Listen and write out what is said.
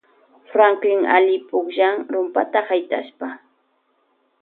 Franklin alli pukllan rumpata haytashpa.